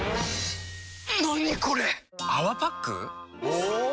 お！